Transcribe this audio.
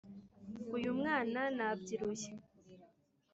Uyu mwana nabyiruye